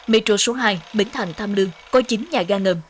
miro số hai bến thành tham lương có chính nhà gà ngầm